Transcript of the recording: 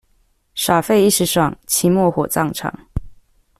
耍廢一時爽，期末火葬場